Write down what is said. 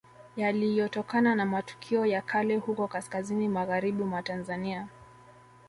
Yaliyotokana na matukio ya kale huko kaskazini magharibi mwa Tanzania